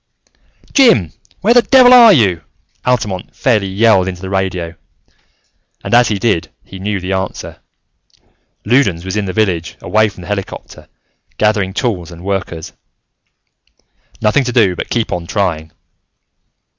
"Jim, where the devil are you?" Altamont fairly yelled into the radio; and as he did, he knew the answer. Loudons was in the village, away from the helicopter, gathering tools and workers. Nothing to do but keep on trying!